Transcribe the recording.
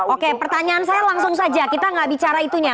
oke pertanyaan saya langsung saja kita nggak bicara itunya